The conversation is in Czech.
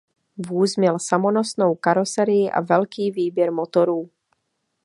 Vůz měl samonosnou karoserii a velký výběr motorů.